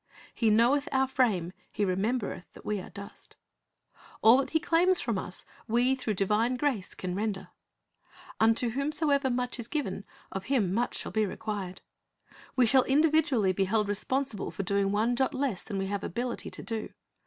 "He knoweth our frame; He remembereth that we are dust."^ All that He claims from us we through divine grace can render. "Unto whomsoever much is given, of him shall be much ' J Chron. 29:14 2 ps. 10^:14 Talents 363 required."' \Vc shall individually be held responsible for doing one jot less than we have ability to do.